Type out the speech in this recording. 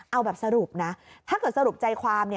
เอาแบบสรุปนะถ้าเกิดสรุปใจความ